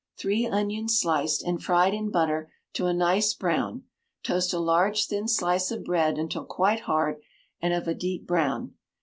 Three onions sliced, and fried in butter to a nice brown; toast a large thin slice of bread until quite hard and of a deep brown.